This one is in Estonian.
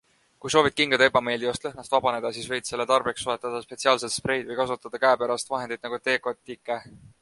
Kui soovid kingade ebameeldivast lõhnast vabaneda, siis võid selle tarbeks soetada spetsiaalsed spreid või kasutada käepärast vahendit nagu teekotike.